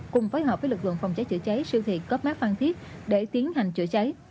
cùng phối hợp với lực lượng phòng cháy chữa cháy siêu thị cấp mát phan thiết để tiến hành chữa cháy